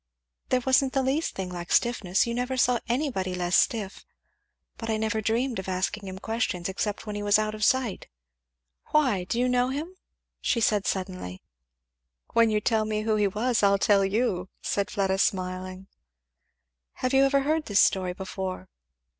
There wasn't the least thing like stiffness you never saw anybody less stiff, but I never dreamed of asking him questions except when he was out of sight. Why, do you know him?" she said suddenly. "When you tell me who he was I'll tell you," said Fleda smiling. "Have you ever heard this story before?"